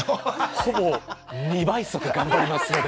ほぼ２倍速で頑張りますので。